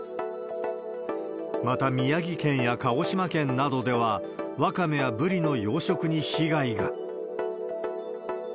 また、宮城県や鹿児島県などでは、ワカメやブリの養殖に被害が。